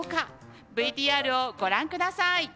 ＶＴＲをご覧ください。